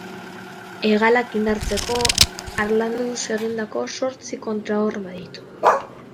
Hegalak indartzeko harlanduz egindako zortzi kontrahorma ditu.